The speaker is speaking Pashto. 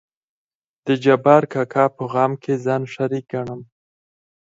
د جبار کاکا په غم کې ځان شريک ګنم.